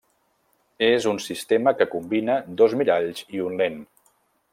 És un sistema que combina dos miralls i un lent.